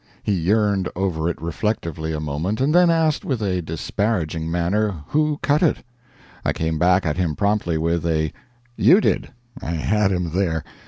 He yearned over it reflectively a moment, and then asked with a disparaging manner, who cut it? I came back at him promptly with a "You did!" I had him there.